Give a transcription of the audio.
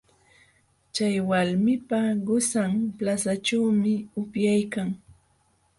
Chay walmipa qusan plazaćhuumi upyaykan.